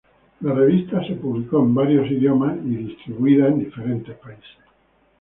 La revista se publicó en varios idiomas y distribuida en varios países.